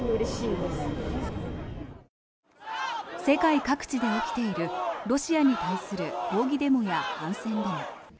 世界各地で起きているロシアに対する抗議デモや反戦デモ。